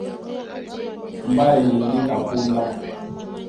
Mbálɛ ni e ndé ka póndá.